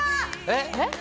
えっ？